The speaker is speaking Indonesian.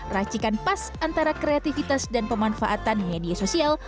racikan pas antara kreativitas dan pemanfaatan media sosial